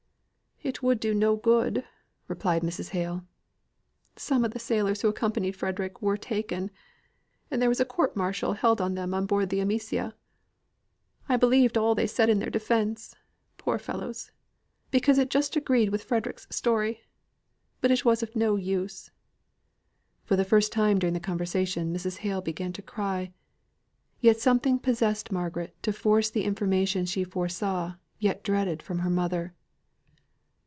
"It would do no good," replied Mrs. Hale. "Some of the sailors who accompanied Frederick were taken, and there was a court martial held on them on board the Amicia; I believed all they said in their defence, poor fellows, because it just agreed with Frederick's story but it was of no use, " and for the first time during the conversation Mrs. Hale began to cry; yet something possessed Margaret to force the information she foresaw, yet dreaded, from her mother.